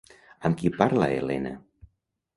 Amb qui parla Helena?